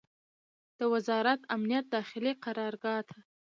د وزارت امنیت داخلي قرارګاه ته